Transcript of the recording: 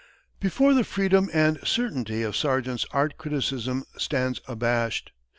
Before the freedom and certainty of Sargent's art criticism stands abashed.